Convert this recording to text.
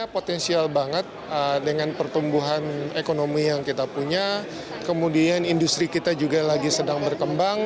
potensial banget dengan pertumbuhan ekonomi yang kita punya kemudian industri kita juga lagi sedang berkembang